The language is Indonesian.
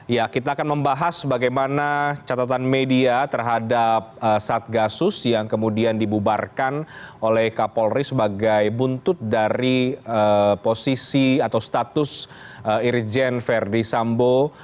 ya kita akan membahas bagaimana catatan media terhadap satgasus yang kemudian dibubarkan oleh kapolri sebagai buntut dari posisi atau status irjen verdi sambo